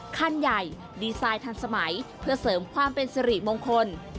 ขั้นใหญ่ดีไซน์ทันสมัยเพื่อเสริมความเป็นสิริมงคล